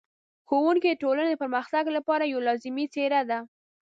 ښوونکی د ټولنې د پرمختګ لپاره یوه لازمي څېره ده.